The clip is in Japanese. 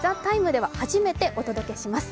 「ＴＨＥＴＩＭＥ，」では初めてお届けします。